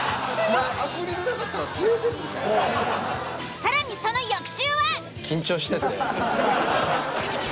更にその翌週は。